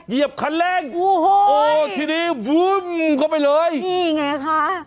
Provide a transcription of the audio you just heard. เหยียบคันเร่งโอ้โหโอ้ทีนี้วึ้มเข้าไปเลยนี่ไงคะ